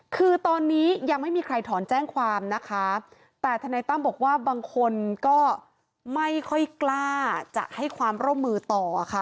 คือตอนนี้ยังไม่มีใครถอนแจ้งความนะคะแต่ทนายตั้มบอกว่าบางคนก็ไม่ค่อยกล้าจะให้ความร่วมมือต่อค่ะ